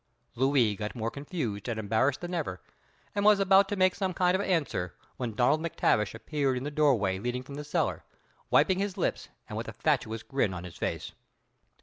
Louis got more confused and embarrassed than ever, and was about to make some kind of answer when Donald MacTavish appeared in the doorway leading from the cellar, wiping his lips, and with a fatuous grin on his face.